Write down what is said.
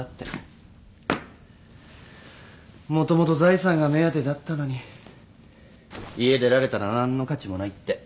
もともと財産が目当てだったのに家出られたら何の価値もないって。